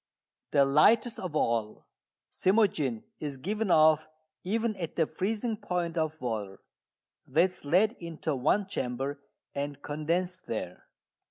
The lightest of all, cymogene, is given off even at the freezing point of water. That is led into one chamber and condensed there.